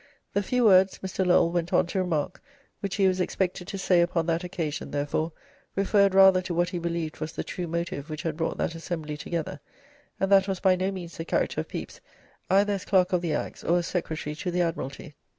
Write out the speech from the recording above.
The few words, Mr. Lowell went on to remark, which he was expected to say upon that occasion, therefore, referred rather to what he believed was the true motive which had brought that assembly together, and that was by no means the character of Pepys either as Clerk of the Acts or as Secretary to the Admiralty.